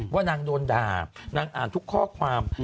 ว่านางโดนด่านางอ่านทุกข้อความ